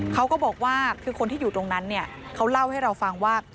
เขาก็บอกว่าคือคนที่อยู่ตรงนั้นเนี่ยเขาเล่าให้เราฟังว่า